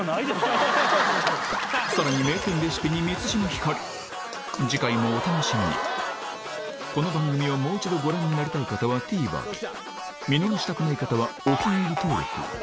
さらに次回もお楽しみにこの番組をもう一度ご覧になりたい方はＴＶｅｒ見逃したくない方は「お気に入り」登録を！